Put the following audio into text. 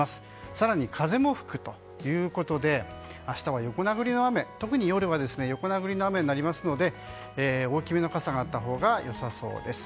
更に、風も吹くということで明日は特に夜は横殴りの雨になりますので大きめの傘があったほうが良さそうです。